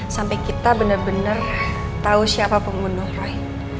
sampai kita bener bener tau siapa pembunuh roy